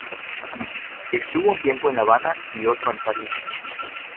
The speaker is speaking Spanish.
Estuvo un tiempo en La Habana y otro en París.